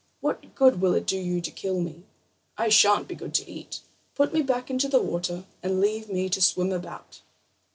What good will it do you to kill me? I sha'n't be good to eat; put me back into the water, and leave me to swim about."